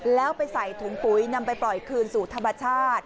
แล้วไปใส่ถุงปุ๋ยนำไปปล่อยคืนสู่ธรรมชาติ